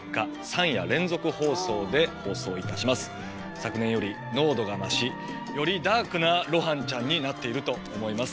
昨年より濃度が増しよりダークな露伴ちゃんになっていると思います。